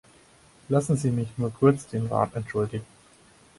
Lassen Sie mich nur kurz den Rat entschuldigen.